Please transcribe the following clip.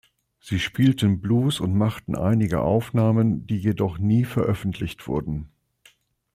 Sie spielten Blues und machten einige Aufnahmen, die jedoch nie veröffentlicht wurden.